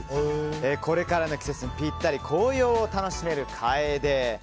これからの季節にぴったり紅葉を楽しめるカエデ。